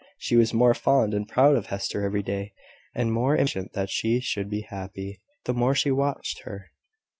She was more fond and proud of Hester every day, and more impatient that she should be happy, the more she watched her.